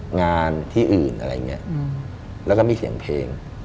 งานที่อื่นอะไรอย่างนี้แล้วก็มีเสียงเพลง